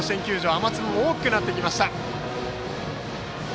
雨粒も大きくなってきました。